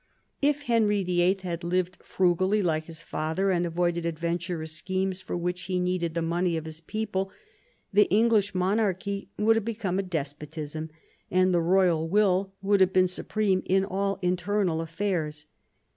If Henry VIIL had lived frugally like his father, and avoided adventurous schemes for which he needed the money of his people, the English monarchy would have become a despotism, and the royal will would have been supreme in all internal affairs.